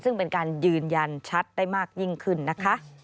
ซึ่งเป็นการยืนยันชัดได้มากยิ่งขึ้นนะคะ